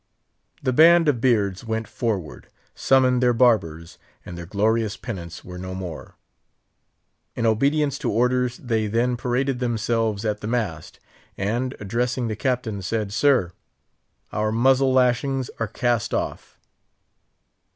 The band of beards went forward, summoned their barbers, and their glorious pennants were no more. In obedience to orders, they then paraded themselves at the mast, and, addressing the Captain, said, "Sir, our muzzle lashings are cast off!"